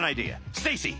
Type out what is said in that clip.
ステイシー。